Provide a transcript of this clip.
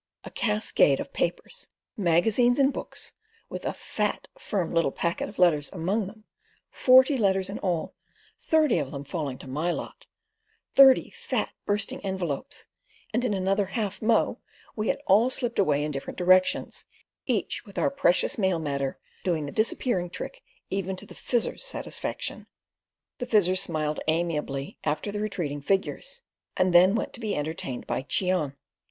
A cascade of papers, magazines, and books, with a fat, firm little packet of letters among them: forty letters in all—thirty of them falling to my lot—thirty fat, bursting envelopes, and in another "half mo'" we had all slipped away in different directions—each with our precious mail matter—doing the "disappearing trick" even to the Fizzer's satisfaction. The Fizzer smiled amiably after the retreating figures, and then went to be entertained by Cheon.